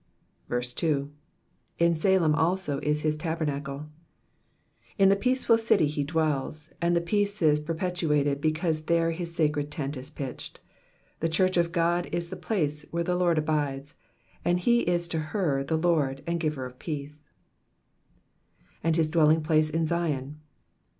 2. //i Salem also is his tabernacle,''^ In the peaceful city he dwells, and the peace is perpetuated, because there his sacred tent is pitched. The church of God is the place where the Lord abides and he is to her the Lord and giver of peace. ^^And his dwelling place in Zion.''